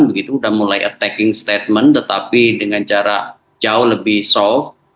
begitu sudah mulai attacking statement tetapi dengan jarak jauh lebih soft